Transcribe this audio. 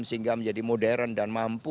sehingga menjadi modern dan mampu